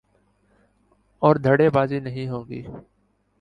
اور دھڑے بندی نہیں ہو گی۔